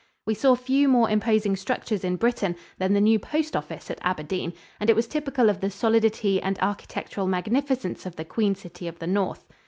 We saw few more imposing structures in Britain than the new postoffice at Aberdeen, and it was typical of the solidity and architectural magnificence of the Queen City of the North.